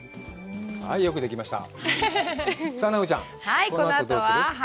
はい、よくできました。